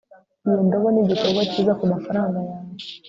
iyo ndobo nigikorwa cyiza kumafaranga yawe